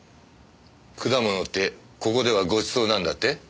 果物ってここではごちそうなんだって？